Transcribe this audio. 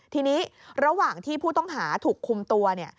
ทีนี้ระหว่างที่ผู้ต้องหาถูกคุมตัว